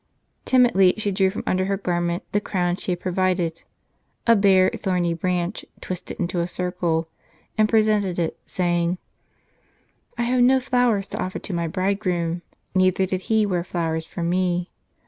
Timidly she drew from under her garment the crown she had provided, a bare, thorny branch, twisted into a circle, and pre sented it, saying :" I have no flowers to offer to my Bridegroom, neither did He wear flowers for me.